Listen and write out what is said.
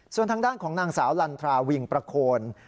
ส่วนทางด้านของนางสาวลันทราวิงประโคน